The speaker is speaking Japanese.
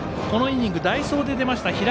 このイニング代走で出ました